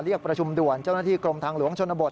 เรียกประชุมด่วนเจ้าหน้าที่กรมทางหลวงชนบท